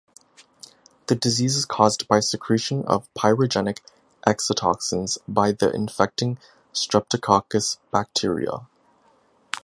The disease is caused by secretion of pyrogenic exotoxins by the infecting "Streptococcus" bacteria.